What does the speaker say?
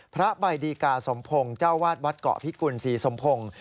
พระใบดีกาสมพงศ์เจ้าวาดวัดเกาะพิกุลศรีสมพงศ์